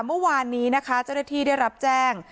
เมื่อวานนี้นะคะจรฐฐีได้รับแจ้ง